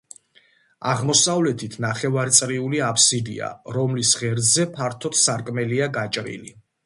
აღმოსავლეთით ნახევარწრიული აფსიდია, რომლის ღერძზე ფართო სარკმელია გაჭრილი.